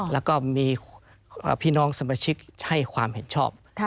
แล้วก็มีพี่น้องสมาชิกให้ความเห็นชอบ